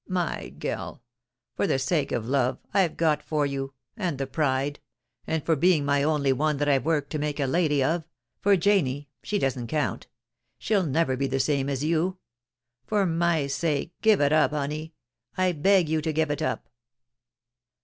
. My gell ! for the sake of the love I've got for you, and the pride, and for being my only one that IVe worked to make a lady of — for Janie, she doesn't count; she'll never be the same as you — for my sake, gev it up, Honie — I beg you to gev it up